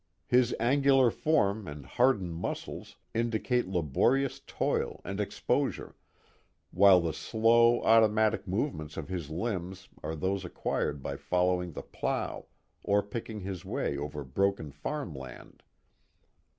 His angular form and hardened muscles indicate laborious toil and exposure, while the slow, automatic movements of his limbs are those acquired by following the plough or picking his way over broken farm land.